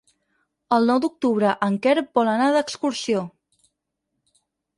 El nou d'octubre en Quer vol anar d'excursió.